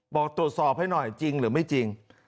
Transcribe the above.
บอกตรวจสอบให้หน่อยจริงหรือไม่จริง